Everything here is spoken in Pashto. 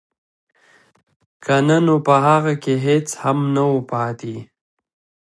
که نه نو په هغه کې هېڅ هم نه وو پاتې